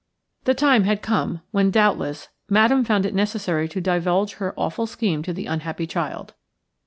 The time had come when doubtless Madame found it necessary to divulge her awful scheme to the unhappy child.